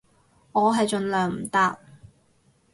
我係盡量唔搭